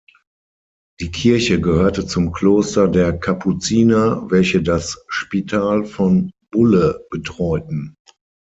Die Kirche gehörte zum Kloster der Kapuziner, welche das Spital von Bulle betreuten.